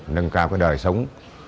nâng cao cái đời sống